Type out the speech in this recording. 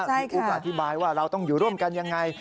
อุ๊บอธิบายว่าเราต้องอยู่ร่วมกันยังไง